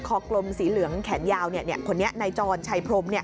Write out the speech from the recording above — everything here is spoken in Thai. กลมสีเหลืองแขนยาวคนนี้นายจรชัยพรม